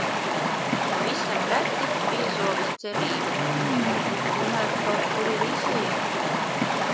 Pavisam reti piezogas cerība: varbūt tomēr kaut kur ir izeja?